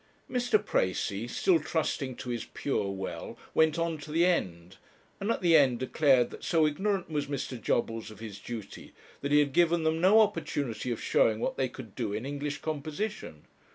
Mr. Precis, still trusting to his pure well, went on to the end, and at the end declared that so ignorant was Mr. Jobbles of his duty that he had given them no opportunity of showing what they could do in English composition.